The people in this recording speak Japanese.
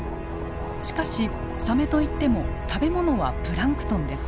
しかしサメといっても食べ物はプランクトンです。